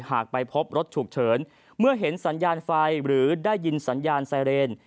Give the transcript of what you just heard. ไปพบรถฉุกเฉินเมื่อเห็นสัญญาณไฟหรือได้ยินสัญญาณไซเรน